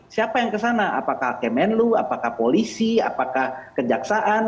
siapa yang kesana apakah kemenlu apakah polisi apakah kejaksaan